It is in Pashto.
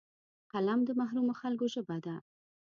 قلم د محرومو خلکو ژبه ده